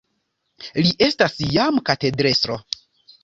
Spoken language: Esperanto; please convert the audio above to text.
Li estas jam katedrestro.